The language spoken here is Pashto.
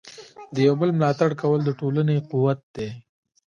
د یو بل ملاتړ کول د ټولنې قوت دی.